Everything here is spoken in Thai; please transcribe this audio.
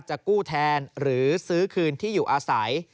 จะกู้แทนหรือซื้อคืนที่อยู่อาศัย